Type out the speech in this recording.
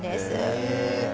へえ。